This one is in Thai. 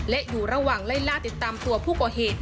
และอยู่ระหว่างไล่ล่าติดตามตัวผู้ก่อเหตุ